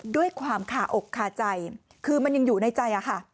ด้วยความคาอกคาใจคือมันยังอยู่ในใจอะค่ะ